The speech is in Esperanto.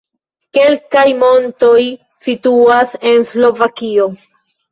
Kelkaj montoj situas en Slovakio.